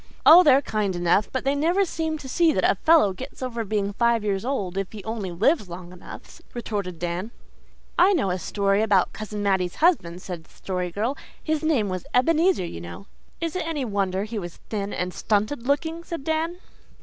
"Oh, they're kind enough, but they never seem to see that a fellow gets over being five years old if he only lives long enough," retorted Dan. "I know a story about Cousin Mattie's husband," said the Story Girl. "His name was Ebenezer, you know " "Is it any wonder he was thin and stunted looking?" said Dan.